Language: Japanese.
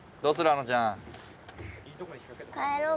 あのちゃん。